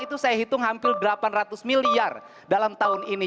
itu saya hitung hampir delapan ratus miliar dalam tahun ini